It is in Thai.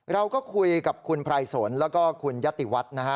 เราก็คุยกับคุณไพรสนแล้วก็คุณยติวัฒน์นะฮะ